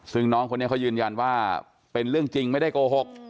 ซึ่งน้องคนนี้เขายืนยันว่าเป็นเรื่องจริงไม่ได้โกหก